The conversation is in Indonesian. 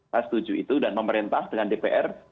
saya setuju itu dan pemerintah dengan dpr